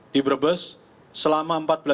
di brebes selama